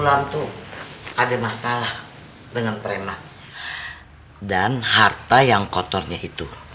lalu ada masalah dengan preman dan harta yang kotornya itu